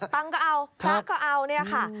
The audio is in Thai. ตังค์ก็เอาพระก็เอาเนี่ยค่ะ